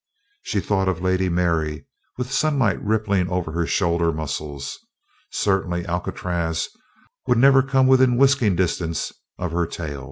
She thought of Lady Mary with the sunlight rippling over her shoulder muscles. Certainly Alcatraz would never come within whisking distance of her tail!